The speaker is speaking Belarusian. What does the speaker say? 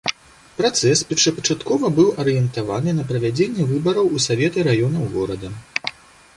Працэс першапачаткова быў арыентаваны на правядзенне выбараў у саветы раёнаў горада.